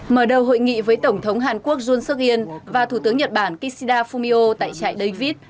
mở đầu hội nghị với tổng thống hàn quốc yun suk yên và thủ tướng nhật bản kishida fumio tại chạy david